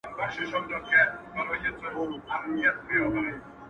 زما سره اوس لا هم د هغي بېوفا ياري ده.